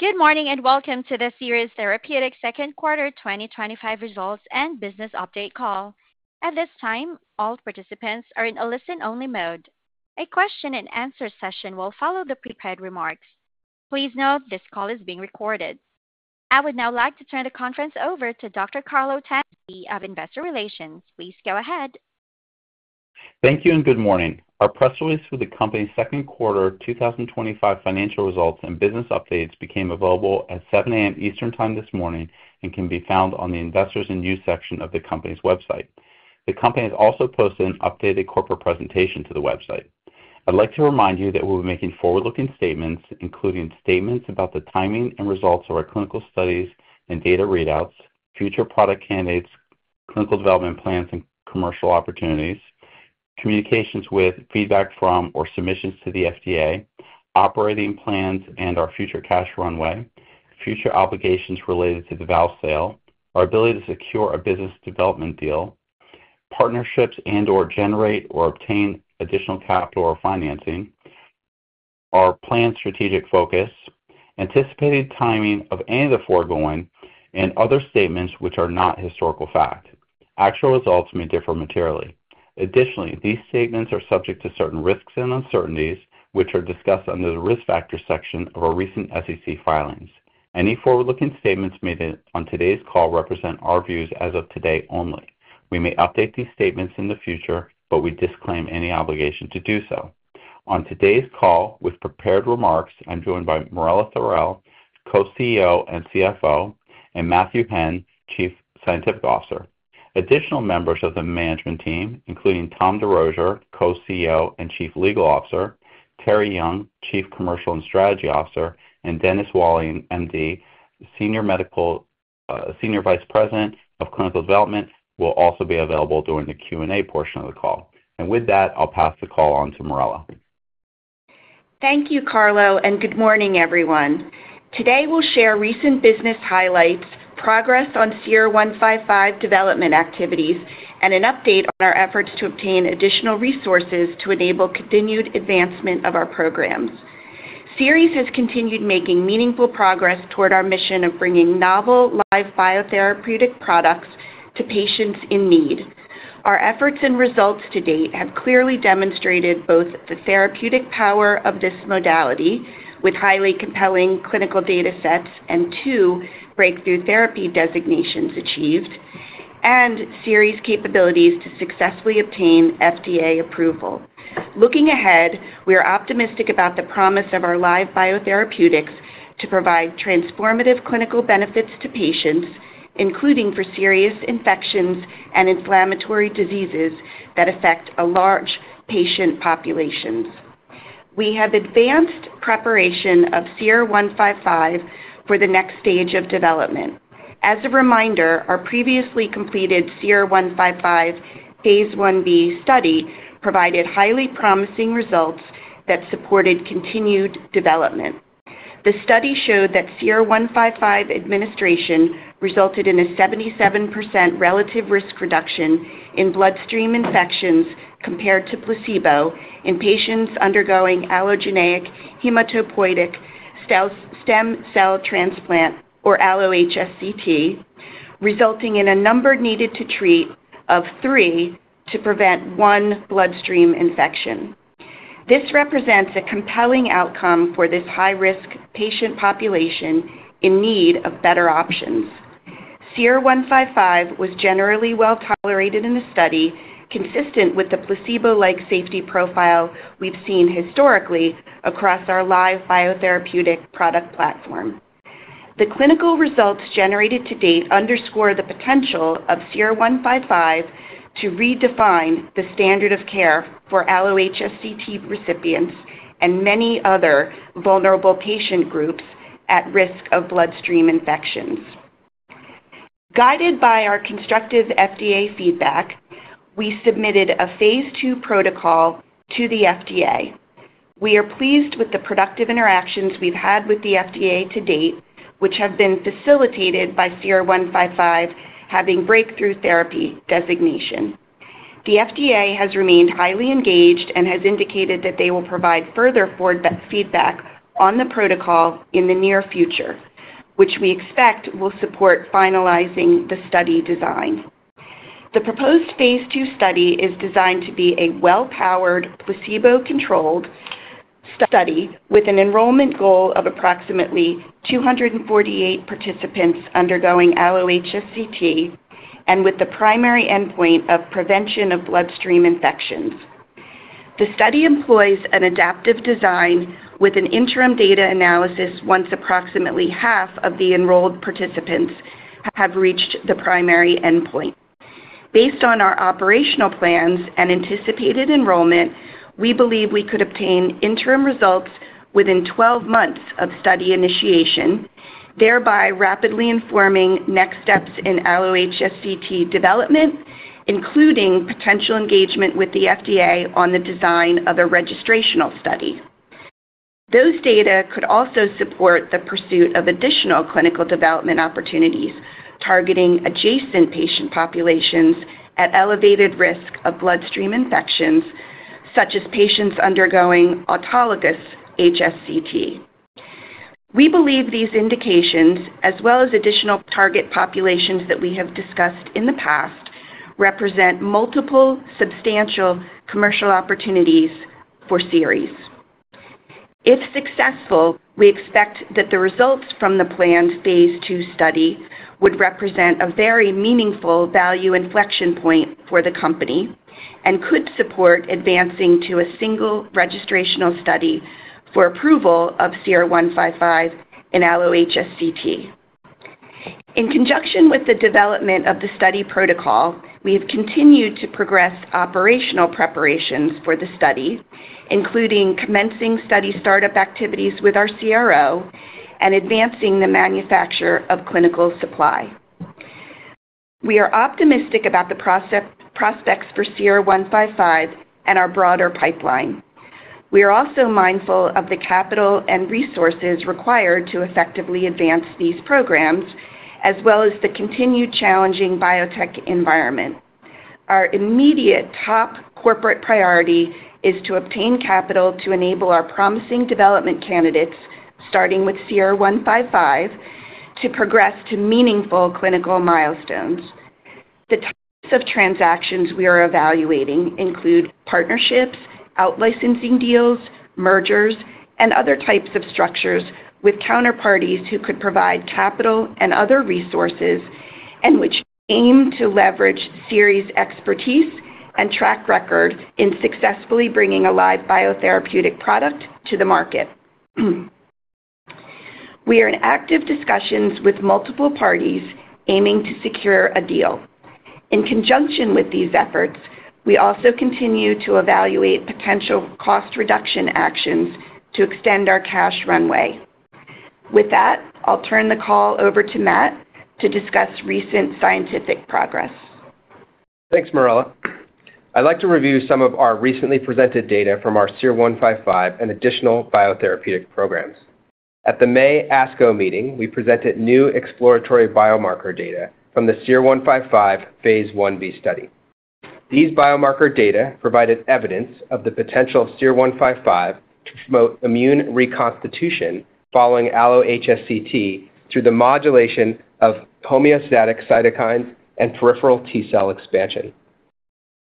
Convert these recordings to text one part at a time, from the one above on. Good morning and welcome to the Seres Therapeutics second quarter 2025 results and business update call. At this time, all participants are in a listen-only mode. A question and answer session will follow the prepared remarks. Please note this call is being recorded. I would now like to turn the conference over to Dr. Carlo Tanzi of Investor Relations. Please go ahead. Thank you and good morning. Our press release for the company's second quarter 2025 financial results and business updates became available at 7:00 A.M. Eastern Time this morning and can be found on the Investors section of the company's website. The company has also posted an updated corporate presentation to the website. I'd like to remind you that we'll be making forward-looking statements, including statements about the timing and results of our clinical studies and data readouts, future product candidates, clinical development plans, and commercial opportunities, communications with, feedback from, or submissions to the FDA, operating plans, and our future cash runway, future obligations related to the valve sale, our ability to secure a business development deal, partnerships and/or generate or obtain additional capital or financing, our planned strategic focus, anticipated timing of any of the foregoing, and other statements which are not historical fact. Actual results may differ materially. Additionally, these statements are subject to certain risks and uncertainties which are discussed under the risk factors section of our recent SEC filings. Any forward-looking statements made on today's call represent our views as of today only. We may update these statements in the future, but we disclaim any obligation to do so. On today's call, with prepared remarks, I'm joined by Marella Thorell, Co-CEO and CFO, and Matthew Henn, Chief Scientific Officer. Additional members of the management team, including Thomas DesRosier, Co-CEO and Chief Legal Officer, Terri Young, Chief Commercial and Strategy Officer, and Dennis Walling, M.D., Senior Vice President of Clinical Development, will also be available during the Q&A portion of the call. With that, I'll pass the call on to Marella. Thank you, Carlo, and good morning, everyone. Today, we'll share recent business highlights, progress on SER-155 development activities, and an update on our efforts to obtain additional resources to enable continued advancement of our programs. Seres has continued making meaningful progress toward our mission of bringing novel, live biotherapeutic products to patients in need. Our efforts and results to date have clearly demonstrated both the therapeutic power of this modality, with highly compelling clinical datasets and two breakthrough therapy designations achieved, and Seres' capabilities to successfully obtain FDA approval. Looking ahead, we are optimistic about the promise of our live biotherapeutics to provide transformative clinical benefits to patients, including for serious infections and inflammatory diseases that affect a large patient population. We have advanced preparation of SER-155 for the next stage of development. As a reminder, our previously completed SER-155 Phase 1B study provided highly promising results that supported continued development. The study showed that SER-155 administration resulted in a 77% relative risk reduction in bloodstream infections compared to placebo in patients undergoing allogeneic hematopoietic stem cell transplant or alloHSCT, resulting in a number needed to treat of three to prevent one bloodstream infection. This represents a compelling outcome for this high-risk patient population in need of better options. SER-155 was generally well tolerated in the study, consistent with the placebo-like safety profile we've seen historically across our live biotherapeutic product platform. The clinical results generated to date underscore the potential of SER-155 to redefine the standard of care for alloHSCT recipients and many other vulnerable patient groups at risk of bloodstream infections. Guided by our constructive FDA feedback, we submitted a Phase 2 protocol to the FDA. We are pleased with the productive interactions we've had with the FDA to date, which have been facilitated by SER-155 having breakthrough therapy designation. The FDA has remained highly engaged and has indicated that they will provide further feedback on the protocol in the near future, which we expect will support finalizing the study design. The proposed Phase 2 study is designed to be a well-powered, placebo-controlled study with an enrollment goal of approximately 248 participants undergoing allogeneic hematopoietic stem cell transplant (alloHSCT) and with the primary endpoint of prevention of bloodstream infections. The study employs an adaptive design with an interim data analysis once approximately half of the enrolled participants have reached the primary endpoint. Based on our operational plans and anticipated enrollment, we believe we could obtain interim results within 12 months of study initiation, thereby rapidly informing next steps in alloHSCT development, including potential engagement with the FDA on the design of a registrational study. Those data could also support the pursuit of additional clinical development opportunities targeting adjacent patient populations at elevated risk of bloodstream infections, such as patients undergoing autologous HSCT. We believe these indications, as well as additional target populations that we have discussed in the past, represent multiple substantial commercial opportunities for Seres Therapeutics. If successful, we expect that the results from the planned Phase 2 study would represent a very meaningful value inflection point for the company and could support advancing to a single registrational study for approval of SER-155 in alloHSCT. In conjunction with the development of the study protocol, we have continued to progress operational preparations for the study, including commencing study startup activities with our CRO and advancing the manufacture of clinical supply. We are optimistic about the prospects for SER-155 and our broader pipeline. We are also mindful of the capital and resources required to effectively advance these programs, as well as the continued challenging biotech environment. Our immediate top corporate priority is to obtain capital to enable our promising development candidates, starting with SER-155, to progress to meaningful clinical milestones. The types of transactions we are evaluating include partnerships, out-licensing deals, mergers, and other types of structures with counterparties who could provide capital and other resources and which aim to leverage Seres Therapeutics' expertise and track record in successfully bringing a live biotherapeutic product to the market. We are in active discussions with multiple parties aiming to secure a deal. In conjunction with these efforts, we also continue to evaluate potential cost reduction actions to extend our cash runway. With that, I'll turn the call over to Matthew Henn to discuss recent scientific progress. Thanks, Marella. I'd like to review some of our recently presented data from our SER-155 and additional biotherapeutic programs. At the May ASCO meeting, we presented new exploratory biomarker data from the SER-155 Phase 1B study. These biomarker data provided evidence of the potential of SER-155 to promote immune reconstitution following alloHSCT through the modulation of homeostatic cytokines and peripheral T cell expansion.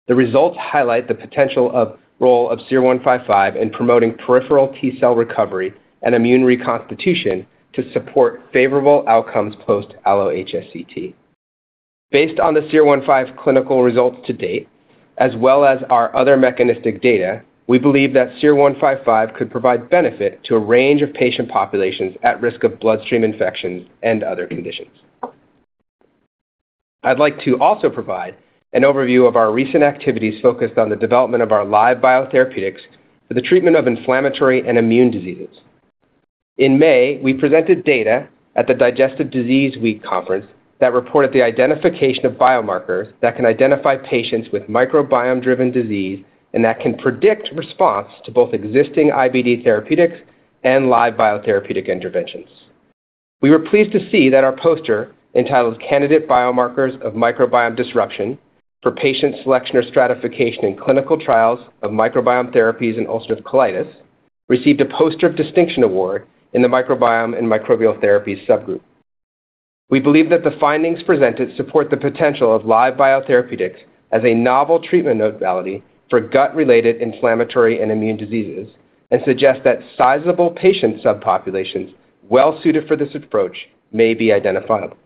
The results highlight the potential role of SER-155 in promoting peripheral T cell recovery and immune reconstitution to support favorable outcomes post alloHSCT. Based on the SER-155 clinical results to date, as well as our other mechanistic data, we believe that SER-155 could provide benefit to a range of patient populations at risk of bloodstream infections and other conditions. I'd like to also provide an overview of our recent activities focused on the development of our live biotherapeutics for the treatment of inflammatory and immune diseases. In May, we presented data at the Digestive Disease Week Conference that reported the identification of biomarkers that can identify patients with microbiome-driven disease and that can predict response to both existing IBD therapeutics and live biotherapeutic interventions. We were pleased to see that our poster entitled "Candidate Biomarkers of Microbiome Disruption for Patient Selection or Stratification in Clinical Trials of Microbiome Therapies in Ulcerative Colitis" received a Poster of Distinction Award in the Microbiome and Microbial Therapies subgroup. We believe that the findings presented support the potential of live biotherapeutics as a novel treatment modality for gut-related inflammatory and immune diseases and suggest that sizable patient subpopulations well suited for this approach may be identifiable.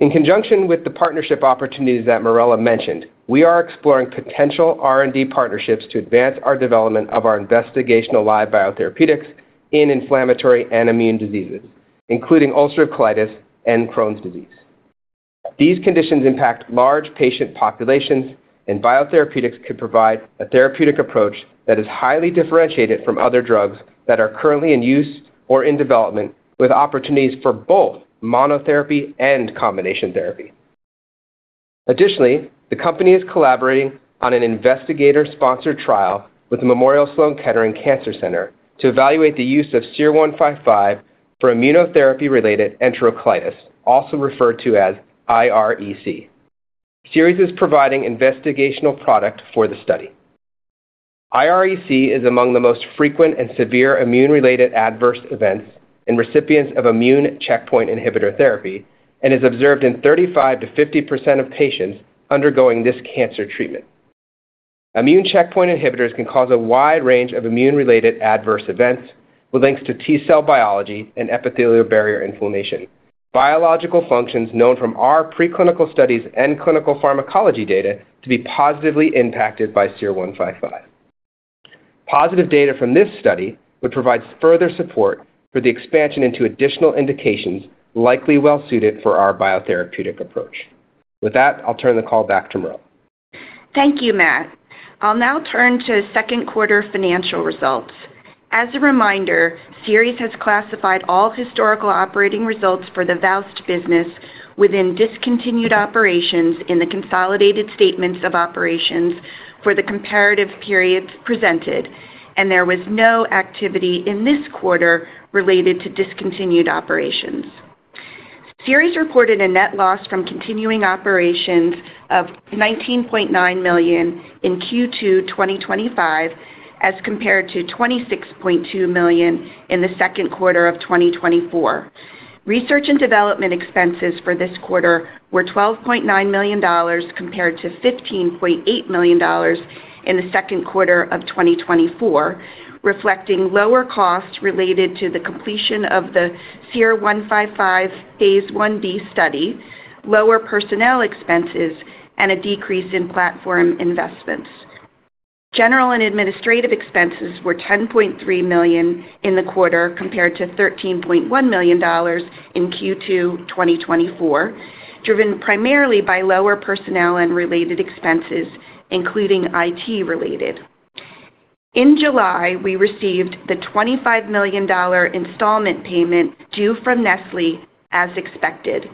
In conjunction with the partnership opportunities that Marella mentioned, we are exploring potential R&D partnerships to advance our development of our investigational live biotherapeutics in inflammatory and immune diseases, including ulcerative colitis and Crohn's disease. These conditions impact large patient populations, and biotherapeutics could provide a therapeutic approach that is highly differentiated from other drugs that are currently in use or in development, with opportunities for both monotherapy and combination therapy. Additionally, the company is collaborating on an investigator-sponsored trial with the Memorial Sloan Kettering Cancer Center to evaluate the use of SER-155 for immunotherapy-related enterocolitis, also referred to as IREC. Seres is providing an investigational product for the study. IREC is among the most frequent and severe immune-related adverse events in recipients of immune checkpoint inhibitor therapy and is observed in 35% to 50% of patients undergoing this cancer treatment. Immune checkpoint inhibitors can cause a wide range of immune-related adverse events with links to T cell biology and epithelial barrier inflammation, biological functions known from our preclinical studies and clinical pharmacology data to be positively impacted by SER-155. Positive data from this study would provide further support for the expansion into additional indications likely well suited for our biotherapeutic approach. With that, I'll turn the call back to Marella. Thank you, Matt. I'll now turn to second quarter financial results. As a reminder, Seres Therapeutics has classified all historical operating results for the VOWST business within discontinued operations in the consolidated statements of operations for the comparative periods presented, and there was no activity in this quarter related to discontinued operations. Seres Therapeutics reported a net loss from continuing operations of $19.9 million in Q2 2025 as compared to $26.2 million in the second quarter of 2024. Research and development expenses for this quarter were $12.9 million compared to $15.8 million in the second quarter of 2024, reflecting lower costs related to the completion of the SER-155 Phase 1B study, lower personnel expenses, and a decrease in platform investments. General and administrative expenses were $10.3 million in the quarter compared to $13.1 million in Q2 2024, driven primarily by lower personnel and related expenses, including IT-related. In July, we received the $25 million installment payment due from Nestlé Health Science, as expected.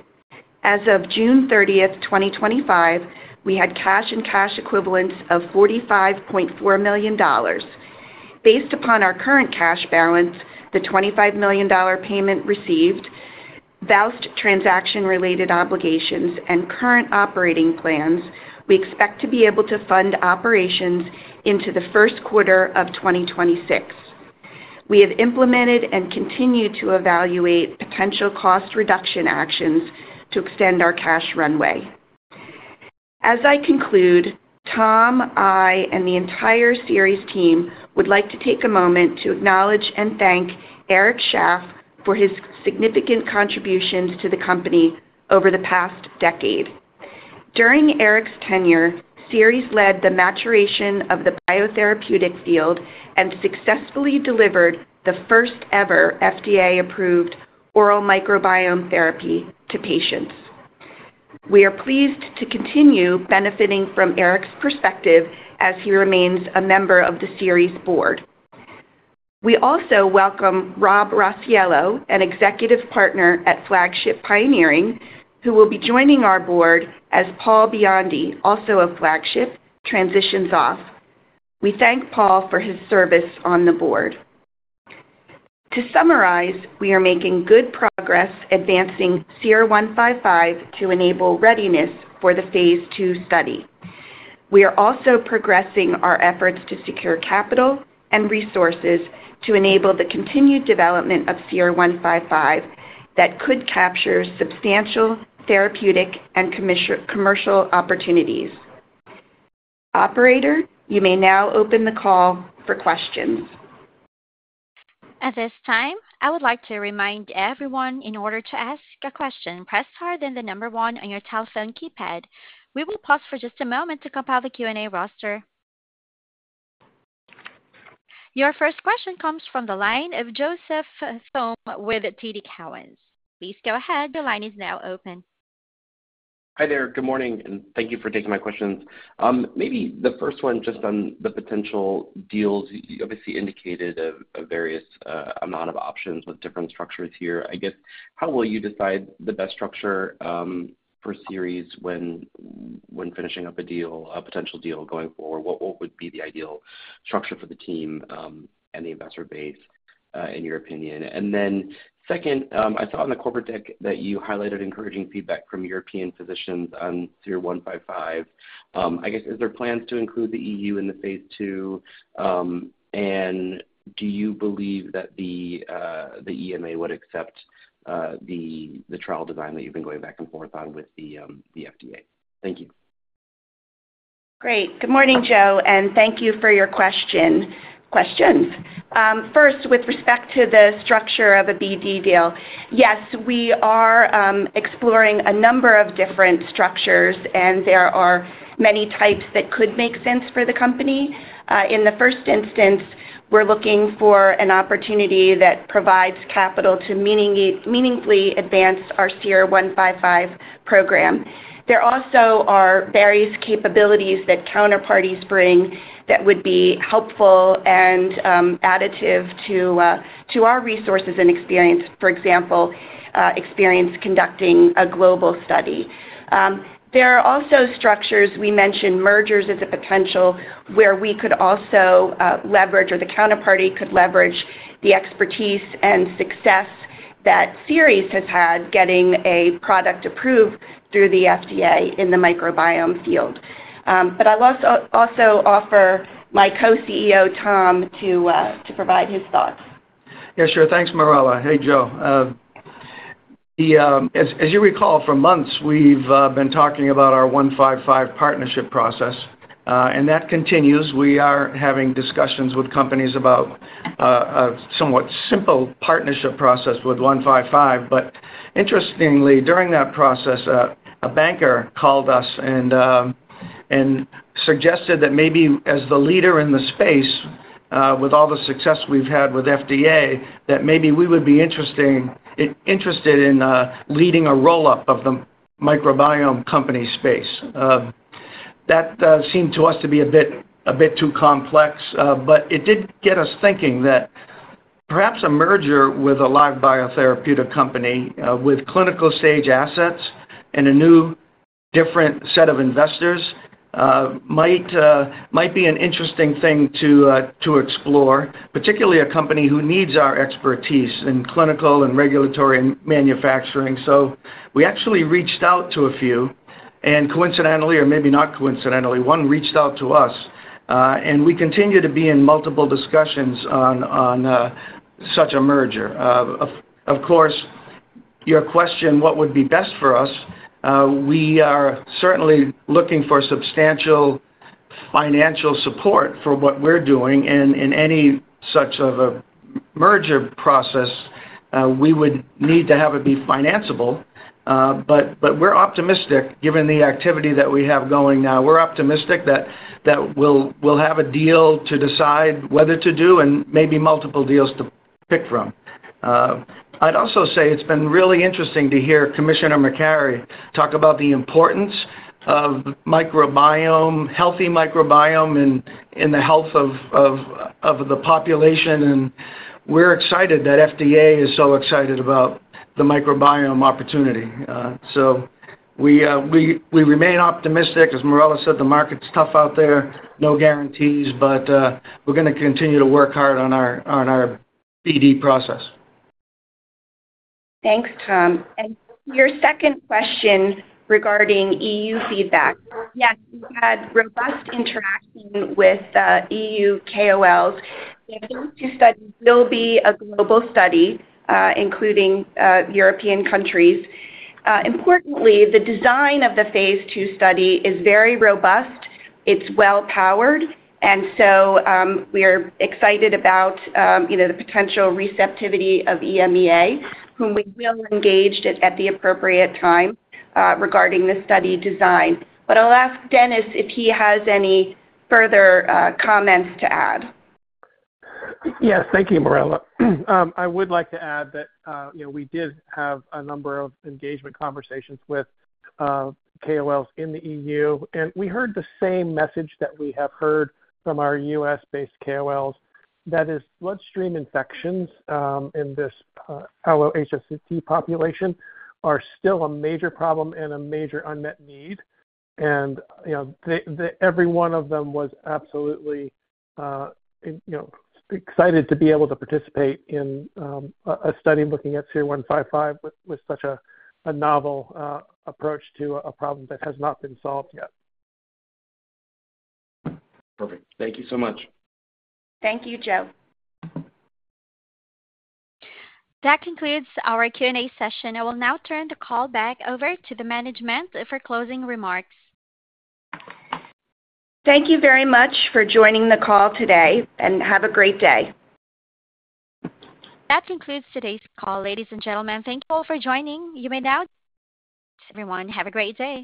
As of June 30, 2025, we had cash and cash equivalents of $45.4 million. Based upon our current cash balance, the $25 million payment received, VOWST transaction-related obligations, and current operating plans, we expect to be able to fund operations into the first quarter of 2026. We have implemented and continue to evaluate potential cost reduction actions to extend our cash runway. As I conclude, Tom, I, and the entire Seres Therapeutics team would like to take a moment to acknowledge and thank Eric Shaff for his significant contributions to the company over the past decade. During Eric's tenure, Seres Therapeutics led the maturation of the biotherapeutic field and successfully delivered the first-ever FDA-approved oral microbiome therapy to patients. We are pleased to continue benefiting from Eric's perspective as he remains a member of the Seres Therapeutics board. We also welcome Rob Rossello, an executive partner at Flagship Pioneering, who will be joining our board as Paul Biondi, also of Flagship, transitions off. We thank Paul for his service on the board. To summarize, we are making good progress advancing SER-155 to enable readiness for the Phase 2 study. We are also progressing our efforts to secure capital and resources to enable the continued development of SER-155 that could capture substantial therapeutic and commercial opportunities. Operator, you may now open the call for questions. At this time, I would like to remind everyone, in order to ask a question, press star then the number one on your telephone keypad. We will pause for just a moment to compile the Q&A roster. Your first question comes from the line of Joseph Thome with TD Cowen. Please go ahead. The line is now open. Hi there. Good morning, and thank you for taking my questions. Maybe the first one just on the potential deals. You obviously indicated a various amount of options with different structures here. I guess, how will you decide the best structure for Seres when finishing up a deal, a potential deal going forward? What would be the ideal structure for the team and the investor base, in your opinion? Second, I saw on the corporate deck that you highlighted encouraging feedback from European physicians on SER-155. I guess, is there plans to include the EU in the Phase 2? Do you believe that the EMA would accept the trial design that you've been going back and forth on with the FDA? Thank you. Great. Good morning, Joe, and thank you for your questions. First, with respect to the structure of a BD deal, yes, we are exploring a number of different structures, and there are many types that could make sense for the company. In the first instance, we're looking for an opportunity that provides capital to meaningfully advance our SER-155 program. There also are various capabilities that counterparties bring that would be helpful and additive to our resources and experience, for example, experience conducting a global study. There are also structures we mentioned, mergers as a potential, where we could also leverage or the counterparty could leverage the expertise and success that Seres has had getting a product approved through the FDA in the microbiome field. I'll also offer my Co-CEO, Tom, to provide his thoughts. Yeah, sure. Thanks, Marella. Hey, Joe. As you recall, for months, we've been talking about our SER-155 partnership process, and that continues. We are having discussions with companies about a somewhat simple partnership process with SER-155. Interestingly, during that process, a banker called us and suggested that maybe as the leader in the space, with all the success we've had with FDA, that maybe we would be interested in leading a roll-up of the microbiome company space. That seemed to us to be a bit too complex, but it did get us thinking that perhaps a merger with a live biotherapeutic company with clinical stage assets and a new, different set of investors might be an interesting thing to explore, particularly a company who needs our expertise in clinical and regulatory and manufacturing. We actually reached out to a few, and coincidentally, or maybe not coincidentally, one reached out to us, and we continue to be in multiple discussions on such a merger. Of course, your question, what would be best for us, we are certainly looking for substantial financial support for what we're doing in any such a merger process. We would need to have it be financeable, but we're optimistic given the activity that we have going now. We're optimistic that we'll have a deal to decide whether to do and maybe multiple deals to pick from. I'd also say it's been really interesting to hear Commissioner McCarry talk about the importance of microbiome, healthy microbiome, and the health of the population. We're excited that FDA is so excited about the microbiome opportunity. We remain optimistic. As Marella said, the market's tough out there, no guarantees, but we're going to continue to work hard on our BD process. Thanks, Tom. Your second question regarding EU feedback. Yes, we've had robust interaction with EU KOLs. The Phase 2 study will be a global study, including European countries. Importantly, the design of the Phase 2 study is very robust. It's well-powered, and we are excited about the potential receptivity of EMEA, whom we will engage at the appropriate time regarding the study design. I'll ask Dennis if he has any further comments to add. Yes, thank you, Marella. I would like to add that we did have a number of engagement conversations with KOLs in the EU, and we heard the same message that we have heard from our U.S.-based KOLs, that is, bloodstream infections in this alloHSCT population are still a major problem and a major unmet need. Every one of them was absolutely excited to be able to participate in a study looking at SER-155 with such a novel approach to a problem that has not been solved yet. Perfect. Thank you so much. Thank you, Joe. That concludes our Q&A session. I will now turn the call back over to the management for closing remarks. Thank you very much for joining the call today, and have a great day. That concludes today's call, ladies and gentlemen. Thank you all for joining. You may now. Everyone, have a great day.